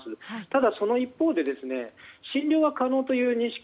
ただ、その一方で診療が可能という認識